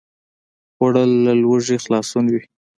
خوړل له لوږې خلاصون وي